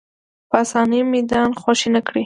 په اسانۍ میدان خوشې نه کړي